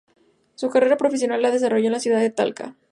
Su carrera profesional la desarrolló en la ciudad de Talca.